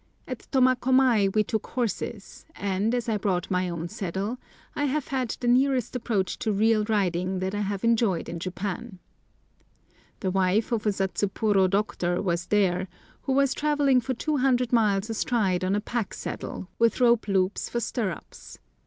At Tomakomai we took horses, and, as I brought my own saddle, I have had the nearest approach to real riding that I have enjoyed in Japan. The wife of a Satsuporo doctor was there, who was travelling for two hundred miles astride on a pack saddle, with rope loops for stirrups.